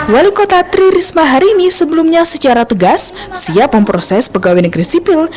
wali kota tri risma hari ini sebelumnya secara tegas siap memproses pegawai negeri sipil